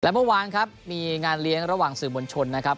เมื่อวานครับมีงานเลี้ยงระหว่างสื่อมวลชนนะครับ